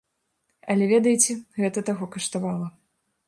Але, ведаеце, гэта таго каштавала.